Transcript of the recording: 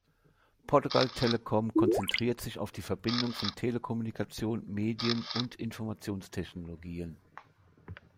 Portugal Telecom konzentriert sich auf die Verbindung von Telekommunikation, Medien und Informationstechnologien.